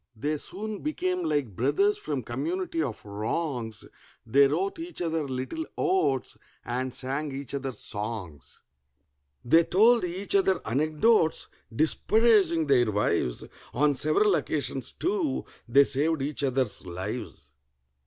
They soon became like brothers from community of wrongs: They wrote each other little odes and sang each other songs; They told each other anecdotes disparaging their wives; On several occasions, too, they saved each other's lives.